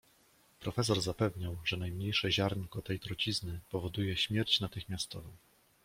"Profesor zapewniał, że najmniejsze ziarnko tej trucizny powoduje śmierć natychmiastową."